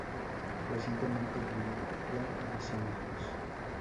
Recientemente viudo y sin hijos.